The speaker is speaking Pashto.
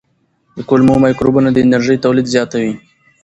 د کولمو مایکروبونه د انرژۍ تولید زیاتوي.